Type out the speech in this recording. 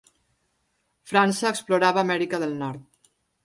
França explorava América del Nord.